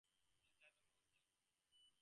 He dies almost instantly.